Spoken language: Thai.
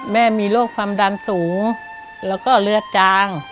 แม่มีโรคความดันสูงแล้วก็เลือดจาง